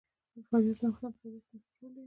فاریاب د افغانستان په طبیعت کې مهم رول لري.